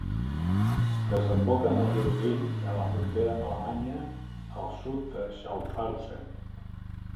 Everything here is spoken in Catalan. Desemboca en el riu Rin a la frontera amb Alemanya, al sud de Schaffhausen.